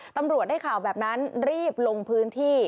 ตำรวจได้ข่าวแบบนั้นรีบลงพื้นที่